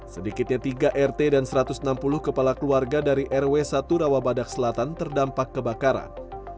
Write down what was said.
sedikitnya tiga rt dan satu ratus enam puluh kepala keluarga dari rw satu rawabadak selatan terdampak kebakaran